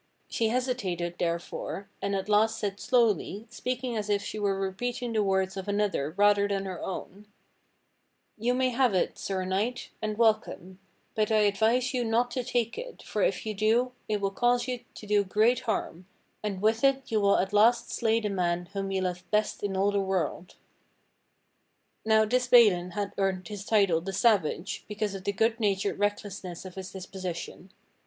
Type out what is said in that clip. She hesitated, therefore, and at last said slowly, speaking as if she were repeating the words of another rather than her own: "You may have it, Sir Knight, and welcome; but I advise you not to take it, for if you do, it will cause you to do great harm, and with it you will at last slay the man whom you love best in all the world." Now this Balin had earned his title "the Savage" because of the good natured recklessness of his disposition.